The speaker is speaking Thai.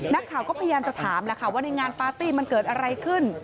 นักข่าวก็พยายามจะถามแล้วค่ะว่าในงานปาร์ตี้มันเกิดอะไรขึ้น